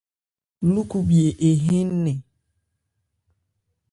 Lúkubhye ehɛ́n nnɛn.